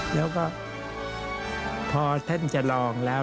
แล้วก็พอท่านจะลองแล้ว